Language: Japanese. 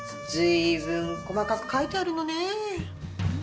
随分細かく書いてあるのね。